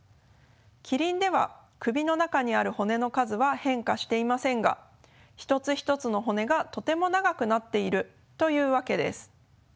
キリンでは首の中にある骨の数は変化していませんが一つ一つの骨がとても長くなっているというわけです。